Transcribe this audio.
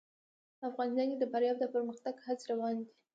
افغانستان کې د فاریاب د پرمختګ هڅې روانې دي.